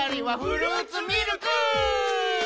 「フルーツミルク」